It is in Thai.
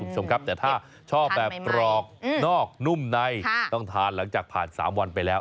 แต่ถ้าชอบแบบปลอกนอกนุ่มในต้องทานหลังจากผ่าน๓วันไปแล้ว